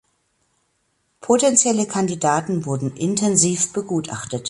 Potentielle Kandidaten wurden intensiv begutachtet.